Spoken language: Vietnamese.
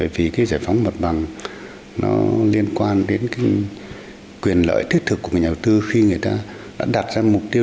vì giải phóng mật bằng liên quan đến quyền lợi thiết thực của nhà đầu tư khi người ta đã đặt ra mục tiêu